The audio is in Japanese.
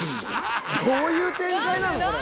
どういう展開なのこれ。